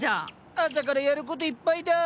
朝からやる事いっぱいだあ。